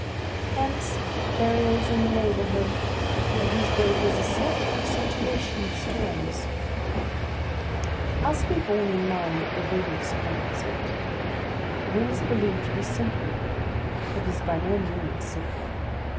Hence there is in the neighbourhood of these breakers a certain accentuation of storms. It must be borne in mind that the wind is composite. The wind is believed to be simple; but it is by no means simple.